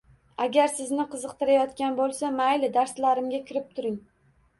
— Agar sizni qiziqtirayotgan bo‘lsa, mayli darslarimga kirib turing.